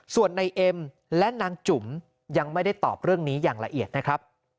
ส่วนในเอ็มและนางจุ๋มยังไม่ได้ตอบเรื่องนี้อย่างละเอียดนะครับ